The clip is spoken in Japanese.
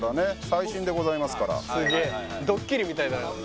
最新でございますからすげえドッキリみたいだねあっ